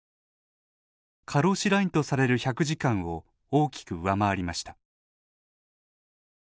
過労死ラインとされる１００時間を大きく上回りました。